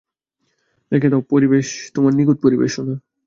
দেখিয়ে দাও তোমার সেই নিখুঁত পরিবেশনা।